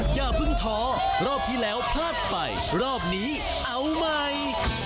อย่าเพิ่งท้อรอบที่แล้วพลาดไปรอบนี้เอาใหม่